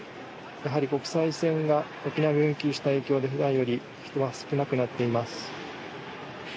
やはり国際線が軒並み運休した影響でふだんより人は少なくなっています。